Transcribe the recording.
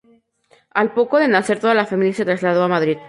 Al poco de nacer, toda la familia se trasladó a Madrid.